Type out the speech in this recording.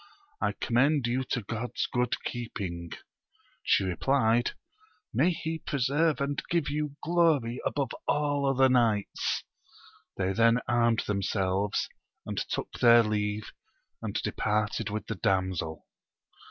I commend you to God's good keeping, she replied: may he preserve and give you glory above all other knights ! They then armed themselves, and took their leave, and departed with the damsel.